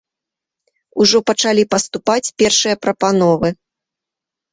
Ужо пачалі паступаць першыя прапановы.